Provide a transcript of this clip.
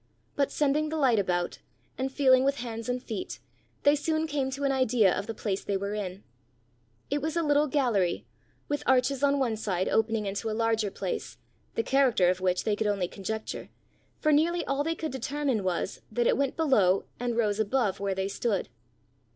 But sending the light about, and feeling with hands and feet, they soon came to an idea of the place they were in. It was a little gallery, with arches on one side opening into a larger place, the character of which they could only conjecture, for nearly all they could determine was, that it went below and rose above where they stood.